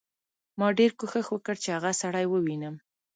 ما ډېر کوښښ وکړ چې هغه سړی ووینم